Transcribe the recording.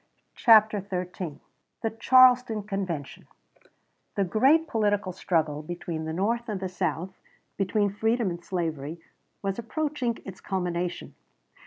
CHAPTER XIII THE CHARLESTON CONVENTION The great political struggle between the North and the South, between Freedom and Slavery, was approaching its culmination.